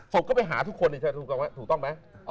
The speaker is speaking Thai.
ก็ไปหาทุกคนถูกต้องไหม